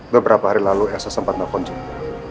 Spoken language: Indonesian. beberapa hari lalu elsa sempat nelfon jumlah